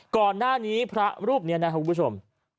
ก่อนหน้านี้พระรูปนี้นะครับคุณผู้ชม